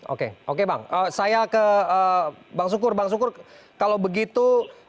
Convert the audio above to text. oke oke bang saya ke bang sukur bang sukur kalau begitu